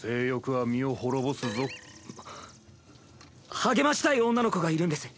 励ましたい女の子がいるんです。